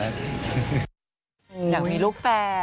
อยากมีลูกแฟน